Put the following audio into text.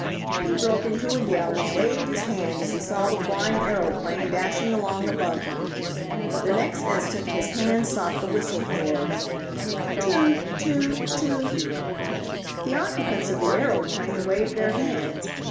He broke into a yell and waved his hand as he saw the flying aeroplane dashing along above him. The next instant his hand sought the whistle cord. "Toot! toot! toot!" The occupants of the aeroplane waved their hands.